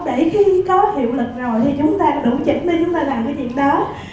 để khi có hiệu lực rồi thì chúng ta đủ chỉnh đi chúng ta làm cái việc đó